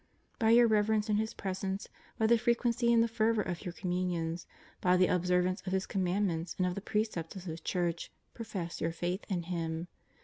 * By your reverence in His Presence, by the frequency and the fervour of your Communions, by the observance of His Commandments and of the precepts of His Church, profess your faith in Him.